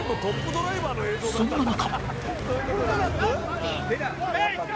そんな中。